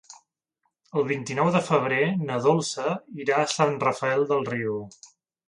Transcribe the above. El vint-i-nou de febrer na Dolça irà a Sant Rafel del Riu.